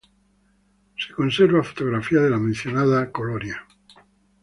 Se conserva fotografía de la mencionada iglesia colonial.